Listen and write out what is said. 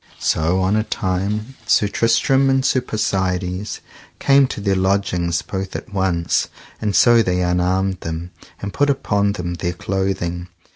So on a time Sir Tristram and Sir Persides came to their lodging both at once, and so they unarmed them, and put upon them their clothing.